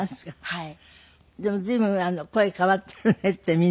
はい。